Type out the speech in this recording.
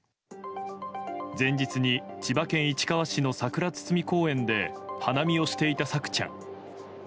前日に千葉県市川市のさくら堤公園で花見をしていた朔ちゃん。